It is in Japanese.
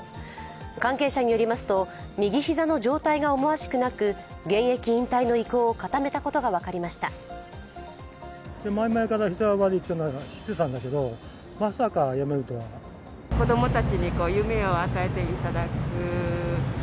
関係者によりますと右膝の状態が思わしくなく現役引退の意向を固めたことが分かりました。